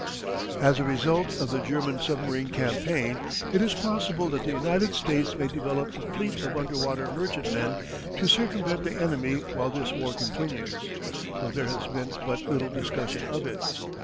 As a result of the German submarine campaign it is possible that the United States may develop a fleet of underwater merchantmen to circumvent the enemy while this war continues, though there has been but little discussion of it.